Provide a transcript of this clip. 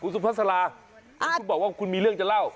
กุศุพรสลาบอกว่าคุณมีเรื่องจะเล่า